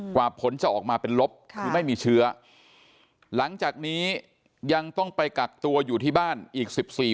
ผลจะออกมาเป็นลบคือไม่มีเชื้อหลังจากนี้ยังต้องไปกักตัวอยู่ที่บ้านอีก๑๔วัน